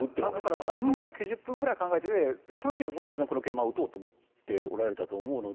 だからその前に９０分ぐらい考えて、そのときに当然この桂馬を打とうと思っておられたと思うので。